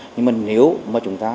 nhưng mà nếu mà chúng ta